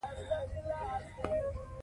ملالۍ شهادت ته رسېدلې ده.